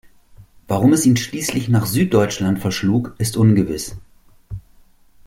Warum es ihn schließlich nach Süddeutschland verschlug, ist ungewiss.